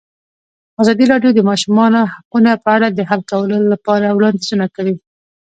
ازادي راډیو د د ماشومانو حقونه په اړه د حل کولو لپاره وړاندیزونه کړي.